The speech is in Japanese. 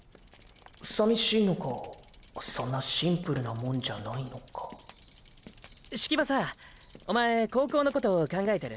さみしいのかそんなシンプルなもんじゃないのか葦木場さおまえ高校のこと考えてる？